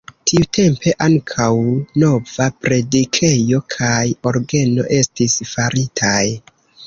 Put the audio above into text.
Tiutempe ankaŭ nova predikejo kaj orgeno estis faritaj.